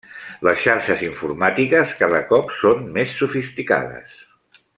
Les xarxes informàtiques cada cop són més sofisticades.